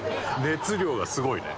熱量がすごいね。